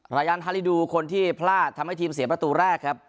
รายันฮาริดูคนที่พลาดทำให้ทีมเสียประตูแรกครับ